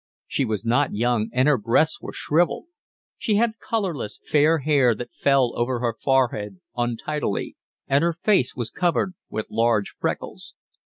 She was not young and her breasts were shrivelled. She had colourless, fair hair that fell over her forehead untidily, and her face was covered with large freckles.